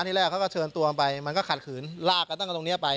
แรกเขาก็เชิญตัวไปมันก็ขัดขืนลากกันตั้งตรงนี้ไป